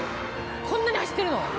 こんなに走ってるの。